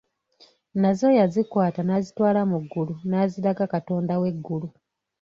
Nazo yazikwata n'azitwala mu ggulu n'aziraga katonda w'eggulu.